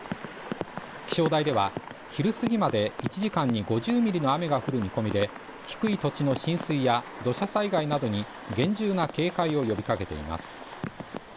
気象台では昼過ぎまで１時間に５０ミリの雨が降る見込みで、低い土地の浸水や土砂災害などに厳重な警戒を呼びかけています。